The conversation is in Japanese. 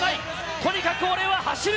とにかく俺は走る。